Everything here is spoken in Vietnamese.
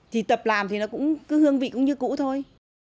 thì tập làm thì nó cũng cứ hương vị cũng như cũ thôi